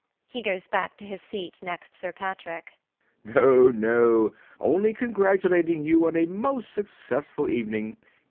[He goes back to his seat next Sir Patrick]. B. B. No, no. Only congratulating you on a most successful evening!